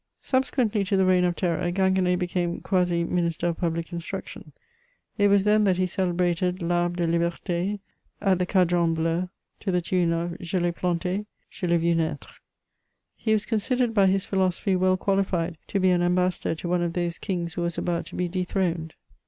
Subsequently to the reign of terror, Ginguen^ became quasi Minister of Public Instruction ; it was then that he celebrated Uarhre de Libert^ at the Cadran Bleu to the tune of: Je Vai plant d, je Vai vu naitre. He was considered by his philo sophy well qualified to be an ambassador to one of those kings who was about to be dethroned.